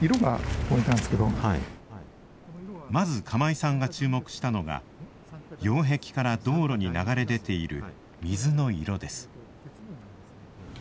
まず釜井さんが注目したのが擁壁から道路に流れ出ている水の色です。